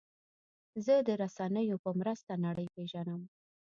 زه د رسنیو په مرسته نړۍ پېژنم.